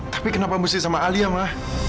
tapi kenapa mesti sama alia mah